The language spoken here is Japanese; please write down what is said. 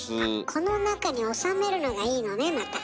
あっこの中に収めるのがいいのねまた。